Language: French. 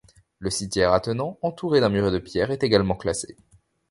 Le cimetière attenant, entouré d'un muret de pierre, est également classé.